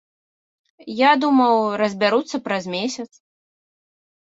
Я думаў, разбяруцца праз месяц.